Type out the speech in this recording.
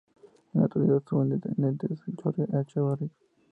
En la actualidad su intendente es Jorge Echeverry.